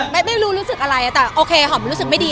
ไม่รู้สึกอะไรแต่อารมณ์ไม่ดี